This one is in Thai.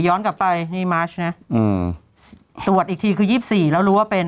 ๒๔ย้อนกลับไปนี่มาร์ชเนี่ยตรวจอีกทีคือ๒๔แล้วรู้ว่าเป็น